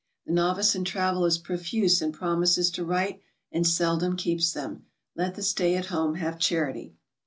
The novice in travel is profuse in promises to write, and seldom keeps them. Let the stay at home have charity.